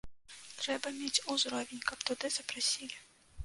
Трэба мець узровень, каб туды запрасілі.